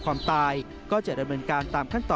ความตายก็จะดำเนินการตามขั้นตอน